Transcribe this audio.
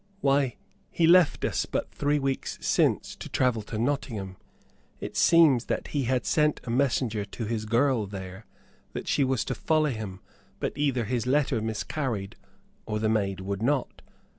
Why, he left us but three weeks since to travel to Nottingham. It seems that he had sent a messenger to his girl there that she was to follow him, but either his letter miscarried or the maid would not.